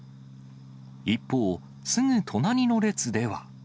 一方、すぐ隣の列では。